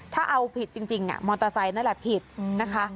ถ้าเอาผิดจริงมอเตอร์ไซค์นั่นแหละผิดนะคะ